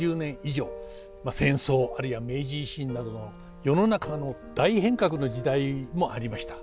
まあ戦争あるいは明治維新などの世の中の大変革の時代もありました。